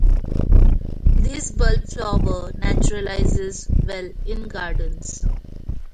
This bulbflower naturalizes well in gardens.